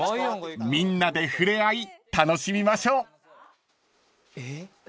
［みんなで触れ合い楽しみましょう］